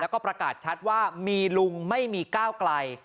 แล้วก็ประกาศชัดว่ามีลุงไม่มีก้าวไกล